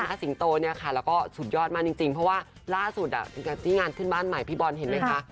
ได้นะคะนั้นก็สุดยอดมากจริงคุณพี่บอลพี่บอลค่ะ